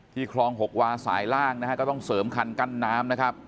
คลอง๖วาสายล่างนะฮะก็ต้องเสริมคันกั้นน้ำนะครับ